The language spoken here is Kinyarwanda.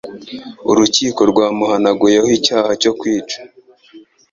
Urukiko rwamuhanaguyeho icyaha cyo kwica.